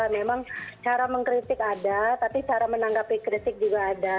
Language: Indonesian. memang cara mengkritik ada tapi cara menanggapi kritik juga ada